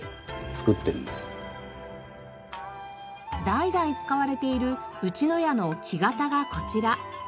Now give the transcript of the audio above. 代々使われている内野屋の木型がこちら。